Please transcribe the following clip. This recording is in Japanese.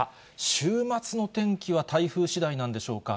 週末の天気は台風しだいなんでしょうか。